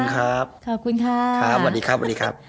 ขอบคุณครับ